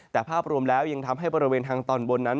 แต่ภาพรวมแล้วยังทำให้บริเวณทางตอนบนนั้น